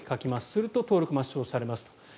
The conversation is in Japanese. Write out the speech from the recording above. すると、登録が抹消されますと。